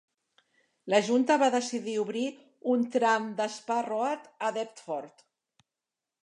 La junta va decidir obrir un tram d'Spa Road a Deptford.